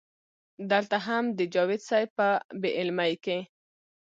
دلته هم د جاوېد صېب پۀ بې علمۍ